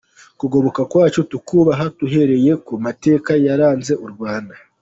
Kugobokwa kwacu tukubahe, duhereye ku mateke yaranze u Rwanda.